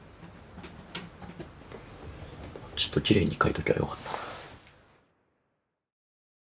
もうちょっときれいに書いときゃよかったな。